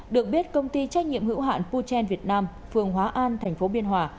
được biết công ty trách nhiệm hữu hạn putin việt nam phường hóa an thành phố biên hòa